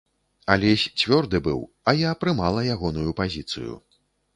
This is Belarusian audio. Алесь цвёрды быў, а я прымала ягоную пазіцыю.